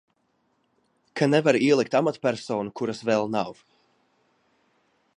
Ka nevar ielikt amatpersonu, kuras vēl nav.